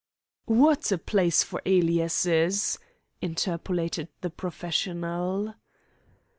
"What a place for aliases!" interpolated the professional.